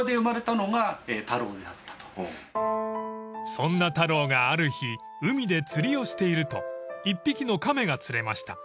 ［そんな太郎がある日海で釣りをしていると１匹の亀が釣れました］